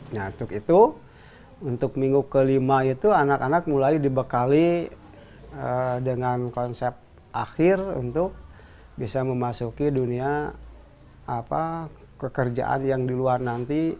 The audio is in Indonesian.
nah untuk itu untuk minggu kelima itu anak anak mulai dibekali dengan konsep akhir untuk bisa memasuki dunia pekerjaan yang di luar nanti